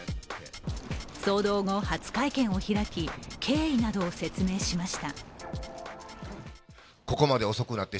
騒動後、初会見を開き、経緯などを説明しました。